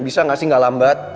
bisa gak sih gak lambat